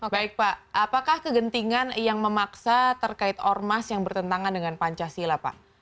baik pak apakah kegentingan yang memaksa terkait ormas yang bertentangan dengan pancasila pak